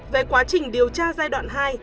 về quá trình điều tra giai đoạn hai